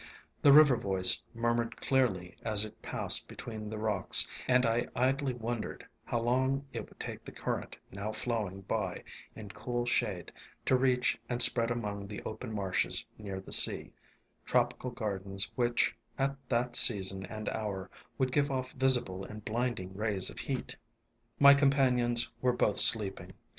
The river voice murmured clearly as it passed between the rocks, and I idly wondered how long it would take the current now flowing by in cool shade to reach and spread among the open marshes near the sea, — tropical gardens which, at that season and hour, would give off visible and blinding rays of heat. My companions were both sleeping.